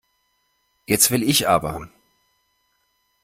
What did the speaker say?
Jetzt will ich aber.